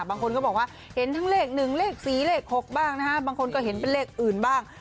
บางคนก็บอกว่าเห็นทั้งเลข๑เลข๔เลข๖บ้างนะฮะบางคนก็เห็นเป็นเลขอื่นบ้าง